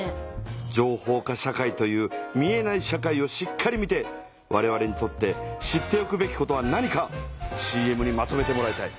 情報化社会という見えない社会をしっかり見てわれわれにとって知っておくべきことは何かＣＭにまとめてもらいたい。